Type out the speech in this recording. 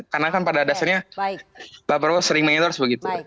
karena kan pada dasarnya pak perwo sering mengendorse begitu